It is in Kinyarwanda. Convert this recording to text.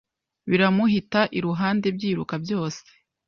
biramuhita iruhande byiruka byose